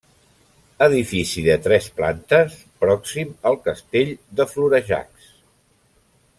Edifici de tres plantes, pròxim al castell de Florejacs.